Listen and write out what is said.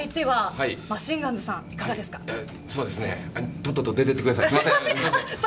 とっとと出ててください。